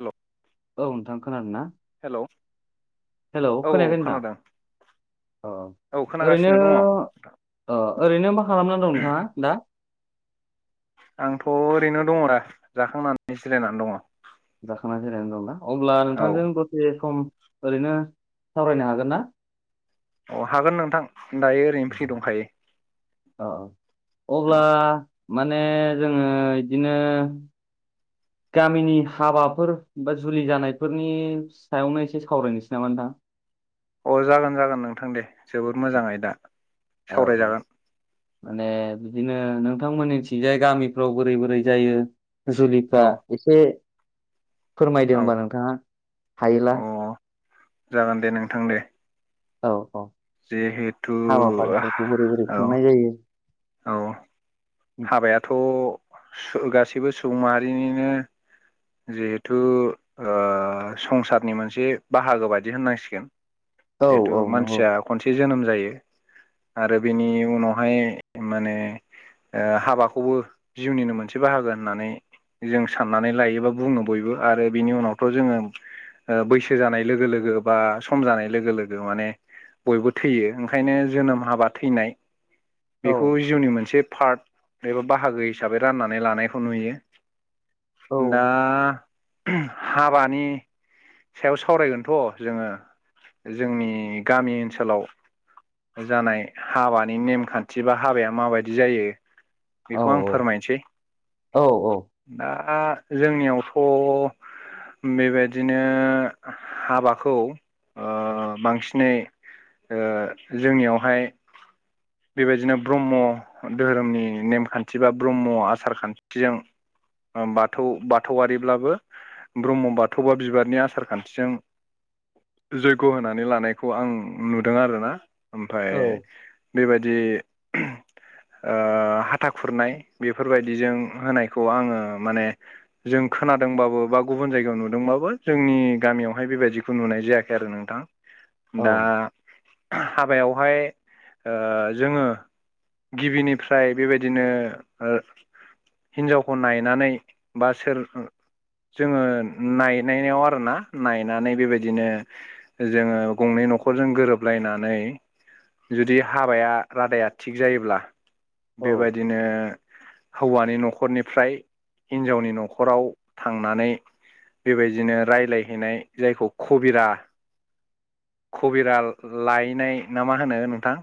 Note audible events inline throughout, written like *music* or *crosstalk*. हेल' औ नोंथां खोनादोंना हेलौ। हेलौ खोनायाखै नोंथां औ अ ओरैनो खोनागासिनो दङ अ ओरैनो मा खालामन दं नोंथाङा दा। आंथ' ओरैनो दङरा जाखांनानै जिरायनानै दङ। जाखांना जिरायना दंना अब्ला औ नोंथांजों दसेे सम। ओरैनो सावरायनो हागोनना? अ हागोन नोंथां दायो ओरैनो फ्रि दंखायो। औ अब्ला माने जोङो इदिनो गामिनि हाबाफोर बा जुलि जानायफोरनि सायावनो एसे सावरायनोसै नामा नोंथां। *inaudible* अ जागोन जागोन नोंथां दे जोबोद मोजाङै दा औ औ सावरायजागोन। माने बिदिनो नोंथांमोननिथिजाय गामिफ्राव बोरै बोरै जायो। जुलिफ्रा औ एसे फोरमायदो औ होनबा नोंथाङा हायोला। अ जागोन दे नोंथां दे। औ-औ जिहेथु हाबाफारिफोरखौ बोरै बोरै औ खुंनाय जायो। औ हाबायाथ' गासैबो सुबुं माहारिनिनो। जिहेथु संसारनि मोनसे बाहागो बायदि होननांसिगोन औ जिहेथु औ नंगौ मानसिया खनसे जोनोम जायो आरो बेनि उनावहाय। माने हाबाखौबो जिउनिनो मोनसे बाहागो होननानै। जों साननानै लायोबा बुङो बयबो आरो बिनि उनावथ' जोङो। बैसो जानाय लोगो लोगो बा सम जानाय लोगो लोगो माने बयबो थैयो ओंखायनो जोनोम हाबा थैनाय औ बेखौ जिउनि मोनसे पार्ट एबा बाहागो हिसाबै राननानै लानायखौ नुयो। औ दा हाबानि सायाव सावरायगोनथ जोङो जोंनि गामि ओनसोलाव जानाय हाबानि नेमखान थि बा हाबाया माबायदि जायो औ बेखौ आं फोरमायनोसै औ औ दा दा जोंनियावथ बेबायदिनो हाबाखौ ओ बांसिनै ओ जोंनियावहाय बेबायदिनो ब्रह्म धोरोमनि नेमखान्थि बा ब्रह्म आसार खान्थिजों बाथौ बाथौ आरिब्लाबो ब्रह्म बाथौ बा बिबारनि आसार खान्थिजों जग्य' होनानै लानायखौ आं नुदों आरोना ओमफ्राय औ बेबा बे *inaudible* ओ हाथा खुरनाय बेफोरबायदिजों होनायखौ आङो माने जों खोना दोंबाबो बा गुबुन जायगायाव नुदोंबाबो जोंनि गामियावहाय बेबायदिखौ नुनाय जायाखै आरो नोंथां। औ दा हाबायावहाय ओ जोङो गिबिनिफ्राय बेबायदिनो हिनजावखौ नायनानै बा सोर जोङो नायनायाव आरोना नायनानै बेबायदिनो जोङो गंनै न'खरजों गोरोबलायनानै जुदि हाबाया रादाया थिग जायोब्ला औ बेबायदिनो हौवानि न'खरनिफ्राय हिनजावनि न'खराव थांनानै बेबायदिनो रायलायहैनाय जायखौ कबिरा खबिरा लायनाय ना मा होनो नोंथां?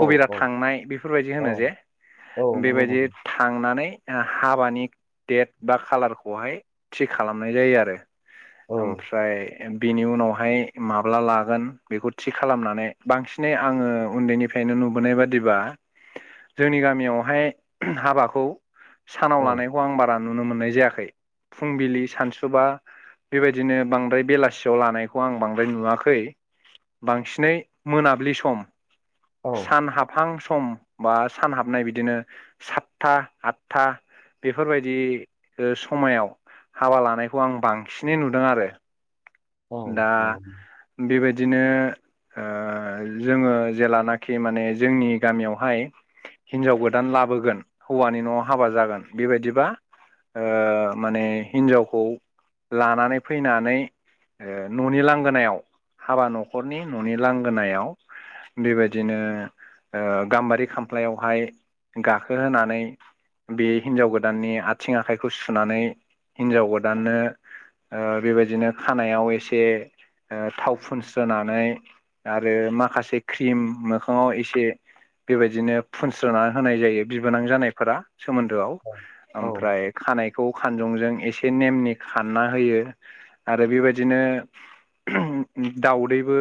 कभिरा थांनाय बेफोरबायदि औ होनो जे औ नंगौ बेबायदि नंगौ थांनानै हाबानि डेट बा खाालारखौहाय थि खालामनाय जायो आरो। औ ओमफ्राय बिनि उनावहाय माब्ला लागोन बेखौ थि खालामनानै बांसिनै आंङो उन्दैनि फरायनो नुबोनाय बादिबा जोंनि गामियावहाय हाबाखौ सानाव औ लानायखौ आं बारा नुनो मोननाय जायाखै फुंबिलि सानसुबा बेबायदिनो बांद्राय बेलासियाव लानायखौ आं बांद्राय नुवाखै बांसिनै मोनाबिलि सम औ सान हाबहां स सम बा सान हाबनाय बिदिनो सातथा आठथा बेफोरबायदि समायाव हाबा लानायखौ आं बांसिनै नुदों आरो। औ दा नंगौ बेबायदि बिदिनो जोंङो जेेलानाखि माने जोंनि गामियावहाय हिनजाव गोदान लाबोगोन हौवानि न'आव हाबा जागोन बेबायदिबा माने हिन्जावखौ लानानै फैनानै न'नि लांगोनायाव हाबा न'खरनि न'नि लांगोनायाव बेबायदिनो गाम्बारि खामफ्लायावहाय गाखोहोनानै बे हिनजाव गोदाननि आथिं आखाइखौ सुनानै हिनजाव गोदाननो बेबायदिनो खानायाव एसे थाव फुनस्रोनानै आरो माखासे क्रिम मोखांङाव एसे बेबायदिनो फुनस्रनानै होनाय जायो बिबोनां जानायफोरा। सोमोन्दोआव औ औ ओमफ्राय खानायखौ खान जंजों एसे नेमनि खान्ना होयो आरो बेबायदिनो दाउदैबो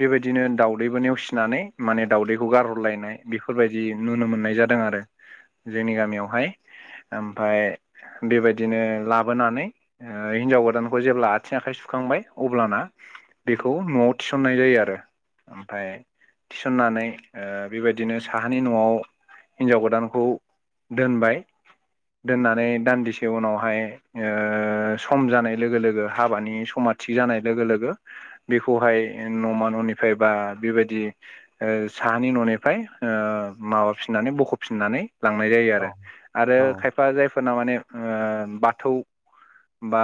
बेबायदिनो दाउदैबो नेवसिनानै माने दाउदैखौ गारहरलाय नाय बेफोरबायदि नुनो मोननाय जादों आरो जोंनि गामियावहाय। ओमफाय बेबायदिनो लाबोनानै हिनजाव गोदानखौ जेब्ला आथिं आखाइ सु थुखांबाय अब्लाना बेखौ न'आव थिसननाय जायो आरो। ओमफ्राय थिसननानै बेबायदिनो साहानि न'आव। हिनजाव गोदानखौ दोनबाय दोननानै दान्दिसे उनावहाय सम जानाय लोगो लोगो हाबानि। समा थिग जानाय लोगो लोगो बेखौहाय न'मा न'निफ्राय बा बे बायदि साहानि न'निफ्राय माबाफिननानै बख'फिननानै लांनाय जायो औ आरो आरो औ खायफा जायफोरना माने बाथौ बा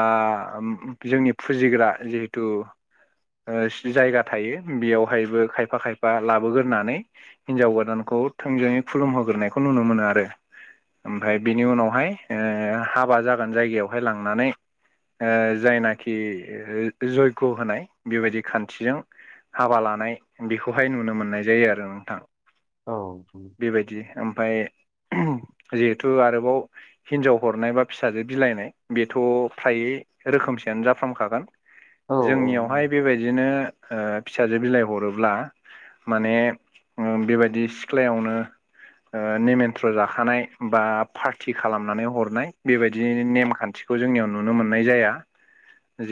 जोंनि फुजिग्रा जिहेथु जायगा थायो बेयावहायबो खायफा खायफा लाबोगोरोनानै हिनजाव गोदानखौ थोंजोङै खुलुम होग्रोनायखौ नुनो मोनो आरो ओमफ्राय बिनि उनावहाय। हाबा जागोन जायगायावहाय लांनानै जायनाखि कि जयग' होनाय बेबायदि खान्थिजों हाबा लानाय बेखौहाय नुनो मोननाय जायो आरो नोंथां। नंगौ बेबायदि ओमफाय *inaudible* जिहेथु आरोबाव हिनजाव हरनाय बा फिसाजो बिलाइनाय बेथ' फ्राय रोखोमस जाफ्रामखागोन औ जोंनियावहाय बेबायदिनो फिसाजो बिलाइ हरोब्ला। माने बेबायदि सिख्लायावनो। नेमेन्त्र' जाखानाय बा पार्टि खालामनानै हरनाय बेबायदि नेमखान्थि। खौ जोंनियाव नुनो मोननाय जाया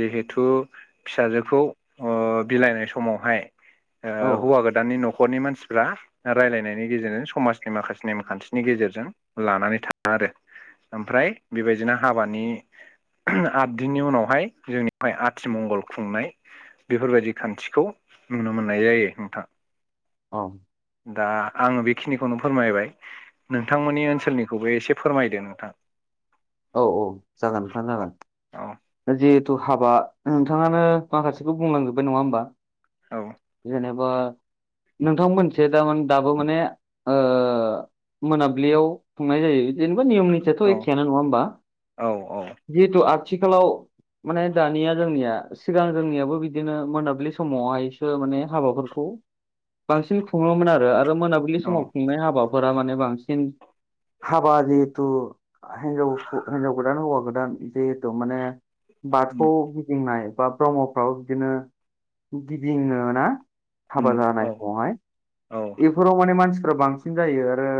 जिहेथु फिसाजोखौ बिलाइनाय समावहाय। औ हौवा गोदाननि न'खरनि मानसिफ्रा रायलायनायनि गेजेरजों समाजनि माखासे नेमखान्थिनि गेजेरजों गेज लानानै थांङो आरो ओमफ्राय बेबायदिनो हाबानि। बिनि उनावहाय जोंनियावहाय आथिमंगल खुंनाय बेफोरबायदि खान्थिखौ नुनो मोननाय। जायो नोंथां। औ। दा आङो बेखिनिखौनो फोरमायबाय नोंथांमोननि ओनसोलनिखौबो एसे फोरमायदो नोंथां। औ औ जागोन नोंथां औ जागोन। औ जिहेथु हाबा नोंथाङानो माखासेखौ बुंलांजोबबाय नङा होमबा। औ जेनेबा नोंथां मोनसे थामान दाबो माने। मोनाबिलियाव थांनाय जायो बिदिनो। नियम निथियाथ' औ एखेयानो नङा होमबा औ औ जिहेतु आथिखालाव। माने दानिया जोंनिया सिगां जोंनियाबो बिदिनो मोनाबिलि समावहायसो माने हाबाफोरखौ। बांसिन खुङोमोन आरो आरो मोनाबिलि औ समाव खुंनाय हाबाफोरा माने बांसिन। हाबा जिहेतु हजाव हिजाव गोदान हौवा गोदान जिह माने उम बाथौखौ गिदिंनाय बा ब्रह्मफ्राव बिदिनो गिदिङो ना? उम हाबा औ जानाय समावहाय औ बेफोराव माने मानसिफ्रा बांसिन जायो आरो।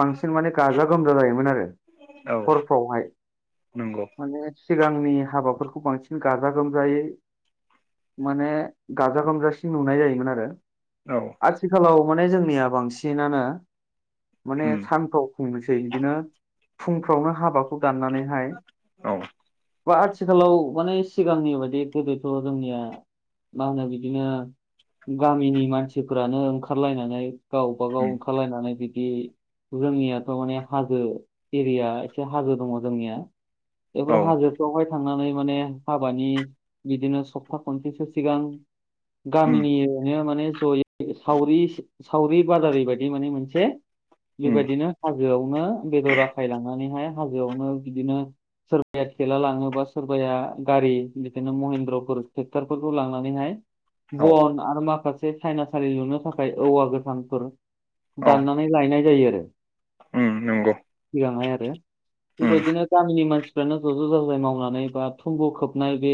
बांसिन माने गाजा गोमजा जायोमोन आरो औ हरफ्रावहाय। नंगौ। माने सिगांनि हाबाफोरखौ बांसिन गाजा गोमजायै। माने गाजा गोमजासिम नुनाय जायोमोन आरो। औ आथिखालाव माने जोंनिया बांसिनानो माने उम सान्थौ। बुंनोसै बिदिनो फुंफ्रावनो हाबाखौ ग हाय औ बा आथिखालाव माने सिगांनि बायदि गोदोथ' जोंनिया मा होनो बिदिनो। गामिनि मानसिफोरानो ओंखारलायनानै गावबागाव उम ओंखारलायनानै बि जोंनियाथ' माने हाजो एरिया एसे हाजो दङ जोंनिया बेफोर औ हाजोफोरावहाय थांनानै माने हाबानि बिदिनो सप्ता खनसेसो सिगां उम गामिनि उरैनो माने जयै सावरि बादारि बायदि माने मोनसे उम बेबायदिनो हाजोआवनो बेदर आखाय लांनानैहाय हाजोआवनो बिदिनो सोरबाया थेला लाङोब बा सोरबाया गारि बिदिनो महेन्द्रफोर टेक्टर लांनानैहाय औ बन आरो माखासे साइनासालि लुनो थाखाय औवा गोथांफोर औ दाननानै लायनाय जायो आरो उम नंगौ सिगांहाय आरो उम बेबायदिनो गामिनि मानसिफ्रानो ज' ज' जाजाय मावनानै बा थुंगु खोबनाय बे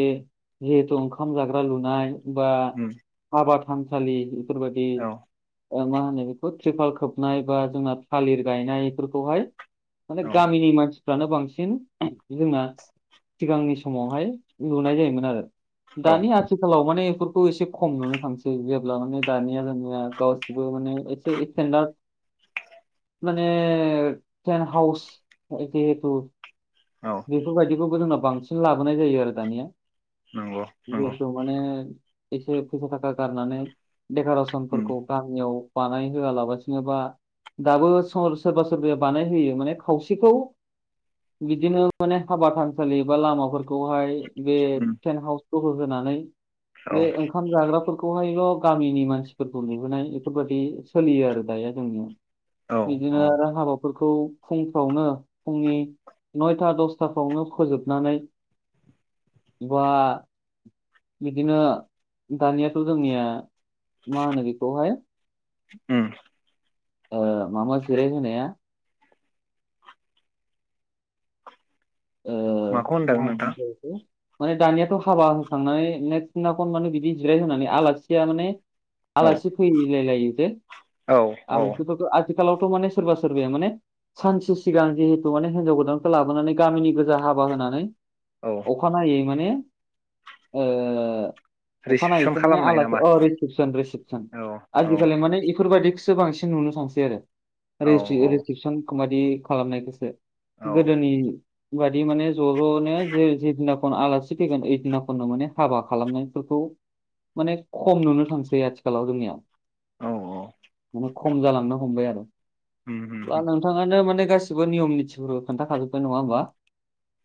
जिहेथु ओंखाम जाग्रा लुनाय बा उम हाबा थानसालि बेफोरबायदि औ मा होनो बेखौ टिरपाल खोबनाय बा जोंना थालिर गायनायफोरखौहाय माने औ गामिनि मानसिफ्रानो बांसिन जोंना सिगांनि समावहाय नुनाय जायोमोन आरो औ दानि आथिखालाव माने बेफोरखौ एसे खम नुनो थांसै माने दानिया दानिया गावसिबो माने एसे इसटेनदार मानेे टेन हाउस जिहेथु औ बेफोरबायदिखौबो जोंनाव बांसिन लाबोनाय जायो आरो दानिया नंगौ नंगौ जिहेथु माने एसे फैसा थाखा गारनानै उम देक'रेसनफोरखौ गामियाव बानाय होआलाबासिनोबा दाबो सोरबा सोरबाया बानायहोयो माने खावसेखौ बिदिनो माने हाबा थानसालि बा लामाफोरखौहाय बे उम टेन्ट हाउस होनानै बे ओंखाम जाग्राफोरखौ बेखौहायल' गामिनि मानसिफोरखौ नुुबोनाय बेफोरबायदि सोलियो आरो दाया जोंनियाव औ बिदिनो औ आरो हाबाफोरखौ फुंफ्रावनो फुंनि नयथा दसथाफ्रावनो फोजोबनानै बा बिदिनो दानियाथ' जोंनिया मा होनो बेखौहाय ओम ओ मा मा जिराय होनाया ओ माखौ होनदों मा होनो नोंथां बेखौ माने दानियाथ' हाबा होखांनानै नेक्स्ट दिनाखन माने बिदि जिराय होनानै आलासिया माने औ आलासि फैलायलायो जे औ औ आलासिफोरखौ आथिखालावथ' माने सोरबा सोरबाया माने सानसे सिगां जिहेथु माने हिनजाव गोदानखौ लाबोनानै गामिनि गोजा हाबा होनानै औ अखानायनायै माने ओ रिसिपसन अखानायैखौ माने खालामनाय आलासि नामा अ रिसिपसन रिसिपसन औ औ आजिखालि माने इफोरबायदि सो बांसिन नुनो थांसै आरो औ रिस्ट्रिकसनखौ बादि खालामनायखौसो औ गोदोनि बादि माने ज' ज'नो जे जेदिनाखौनो आलासि फैगोन ओइ दिनाखौनो माने हाबा खालामनायफोरखौ माने खम नुनो थांसै आथिखालाव जोंनिया औ औ माने खम जालांनो हमबाय आरो उम उम नोंथाङानो माने गासिबो नियम निथि खोनथाखाजोबबाय नङा होमबा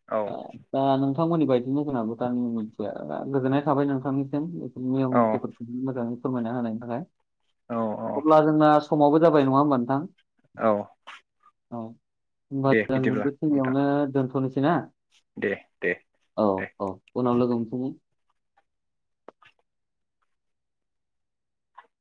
औ ओ नोंथांमोननि बायदिनि जोंहाबो गामिनि मानसिया गोजोननाय थाबाय नोंथांनिसिम नियम औ निथिफोरखौ मोजाङै फोरमायना होनायनि थाखाय औ औ अब्ला जोंना समाबो जाबाय नङा होमबा नोंथां औ औ होमबा दे जों बिदिब्ला बे नोंथां खिनियावनो दोनथ'नोसै ना दे दे औ दे औ उनाव लोगो मोनफिनगोन